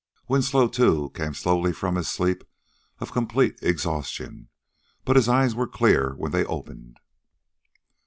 Winslow, too, came slowly from his sleep of complete exhaustion, but his eyes were clear when they opened.